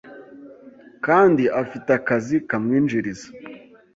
kandi afite akazi kamwinjiriza,